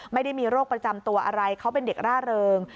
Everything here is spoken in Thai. ไม่ได้มีโรคประจำตัวอะไรเขาเป็นเด็กร่าเริง